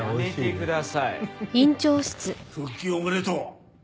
復帰おめでとう。